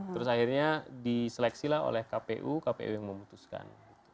terus akhirnya diseleksilah oleh kpu kpu yang memutuskan